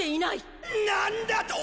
なんだと！